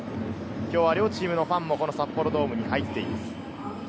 今日は両チームのファンもこの札幌ドームに入っています。